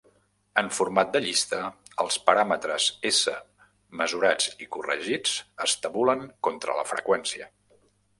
En format de llista, els paràmetres S mesurats i corregits es tabulen contra la freqüència.